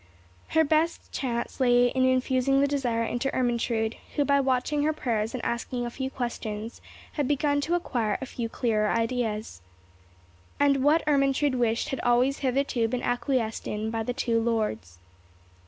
Her best chance lay in infusing the desire into Ermentrude, who by watching her prayers and asking a few questions had begun to acquire a few clearer ideas. And what Ermentrude wished had always hitherto been acquiesced in by the two lords.